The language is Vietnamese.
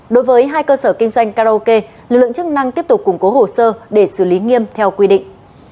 đối với hai cơ sở kinh doanh karaoke lực lượng chức năng tiếp tục củng cố hồ sơ để xử lý nghiêm theo quy định